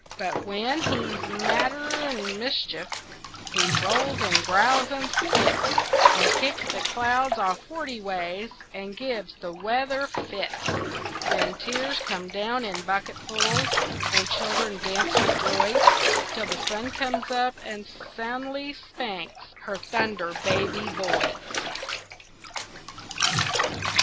But when he's madder'n mischief, He rolls, and growls, and spits, And kicks the clouds all forty ways, And gives the weather fits. Then tears come down in bucketfuls, And children dance for joy, Till the sun comes out and soundly spanks Her Thunder Baby Boy.